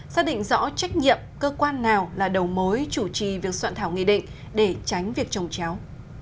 xác định rõ trách nhiệm cơ quan nào là đầu mối chủ trì việc soạn thảo nghị định để tránh việc trồng chéo